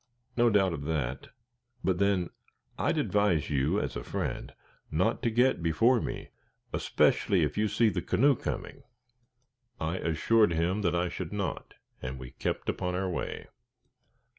"No doubt of that; but, then, I'd advise you, as a friend, not to get before me, especially if you see the canoe coming." I assured him that I should not, and we kept upon our way.